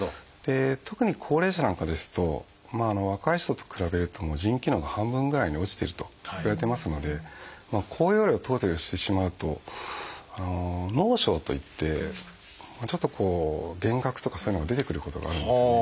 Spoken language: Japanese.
特に高齢者なんかですと若い人と比べると腎機能が半分ぐらいに落ちてるといわれてますので高用量を投与してしまうと脳症といってちょっとこう幻覚とかそういうのが出てくることがあるんですね。